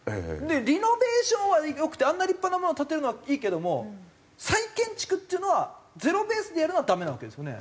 リノベーションは良くてあんな立派なものを建てるのはいいけども再建築っていうのはゼロベースでやるのはダメなわけですよね。